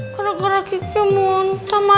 gara gara kiki muntah mas